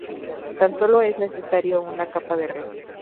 Tan solo es necesario una capa de red.